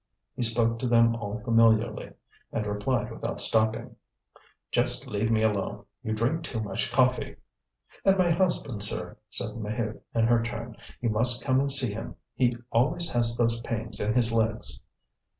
He spoke to them all familiarly, and replied without stopping: "Just leave me alone; you drink too much coffee." "And my husband, sir," said Maheude in her turn, "you must come and see him. He always has those pains in his legs."